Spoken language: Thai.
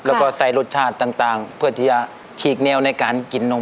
แล้วก็ใส่รสชาติต่างเพื่อที่จะฉีกแนวในการกินนม